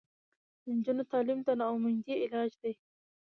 د نجونو تعلیم د ناامیدۍ علاج دی.